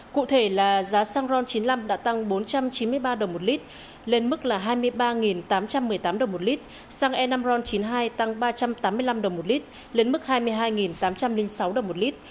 cụ thể là giá xăng ron chín mươi năm đã tăng bốn trăm chín mươi ba đồng một lít lên mức là hai mươi ba tám trăm một mươi tám đồng một lít xăng e năm ron chín mươi hai tăng ba trăm tám mươi năm đồng một lít lên mức hai mươi hai tám trăm linh sáu đồng một lít